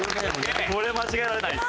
これ間違えられないです。